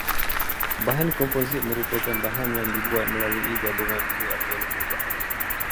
Bahan komposit merupakan bahan yang dibuat melalui gabungan dua atau lebih bahan